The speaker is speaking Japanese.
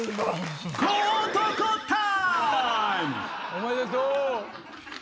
おめでとう。